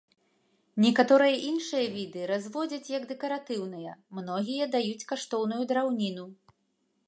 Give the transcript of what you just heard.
Некаторыя іншыя віды разводзяць як дэкаратыўныя, многія даюць каштоўную драўніну.